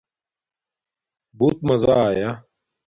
بُݹت ماذا آیݴ